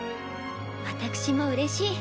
私もうれしい。